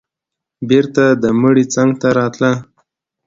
بېرته د مړي څنگ ته راتله.